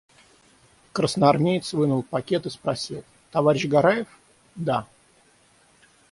Красноармеец вынул пакет и спросил: – Товарищ Гараев? – Да.